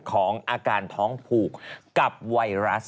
ของอาการท้องผูกกับไวรัส